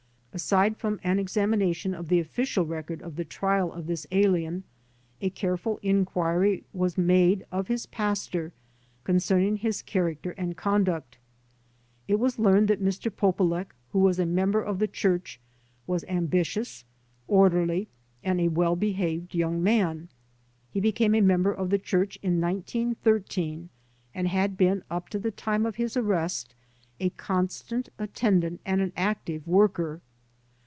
Aside from an examination of the official record of the trial of this alien a careful inquiry was made of his pastor concerning his character and conduct. It was learned that Mr. Polulech, who was a member of his Church, was ambitious, orderly, and a well behaved young man. He became a member of the Church in 1913 and had been up to the time of his arrest a constant attendant and an active worker.